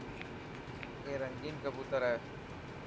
اي رنگين ڪبوتر هي.